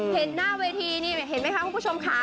เห็นหน้าเวทีนี่เห็นไหมคะคุณผู้ชมค่ะ